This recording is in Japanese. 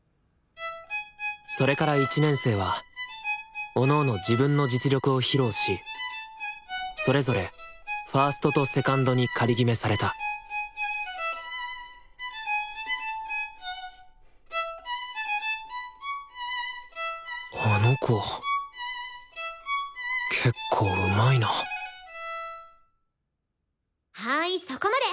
それから１年生はおのおの自分の実力を披露しそれぞれファーストとセカンドに仮決めされたあの子けっこううまいなはいそこまで。